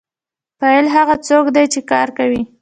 فاعل هغه څوک دی چې کار کوي.